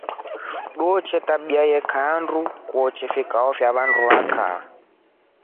Tute kawaida ya taamiya andu hamu vikao fya vye vandu vakaa.